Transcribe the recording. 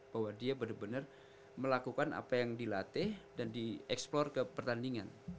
bahwa dia benar benar melakukan apa yang dilatih dan dieksplor ke pertandingan